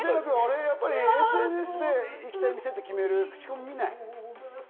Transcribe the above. やっぱりＳＮＳで行きたい店ってどう決める、口コミは見ない？